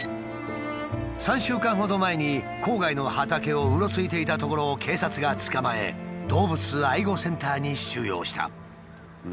３週間ほど前に郊外の畑をうろついていたところを警察が捕まえ動物愛護センターに収容した。